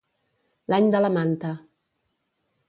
L'any de la manta.